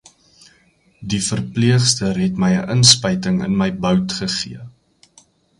Die verpleegster het my 'n inspuiting in my boud gegee.